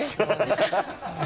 ハハハ